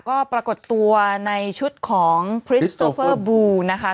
ก็ปรากฏตัวในชุดของพริสโตเฟอร์บลูนะคะ